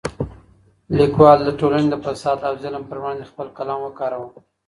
لیکوال د ټولنې د فساد او ظلم پر وړاندې خپل قلم وکاراوه.